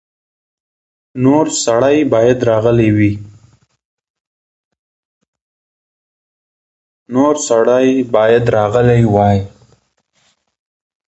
نور سړي باید راغلي وای.